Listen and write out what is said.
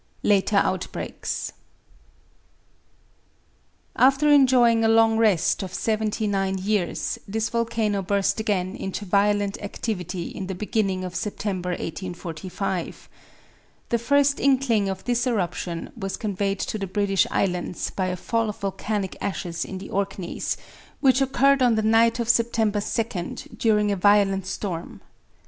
LATER OUTBREAKS After enjoying a long rest of seventy nine years, this volcano burst again into violent activity in the beginning of September, 1845. The first inkling of this eruption was conveyed to the British Islands by a fall of volcanic ashes in the Orkneys, which occurred on the night of September 2nd during a violent storm.